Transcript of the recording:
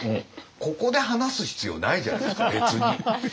ここで話す必要ないじゃないですか別に。